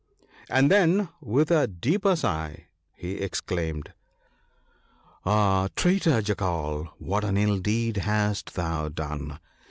And then, with a deeper sigh, he exclaimed, " Ah, traitor Jackal, what an ill deed hast thou done